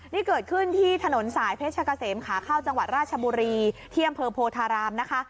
นี่เกิดขึ้นที่ถนนสายเพชรกะเสมขาเข้าจังหวัดราชบุรีที่อำเภอโพธารามนะคะ